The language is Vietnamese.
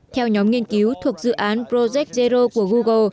theo nhóm nghiên cứu thuộc dự án projec zero của google